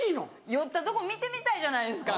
酔ったとこ見てみたいじゃないですか。